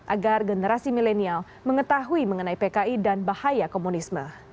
agar generasi milenial mengetahui mengenai pki dan bahaya komunisme